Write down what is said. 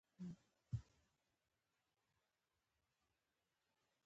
په دنیوی چارو کی ددوی سره مشوره وکړی .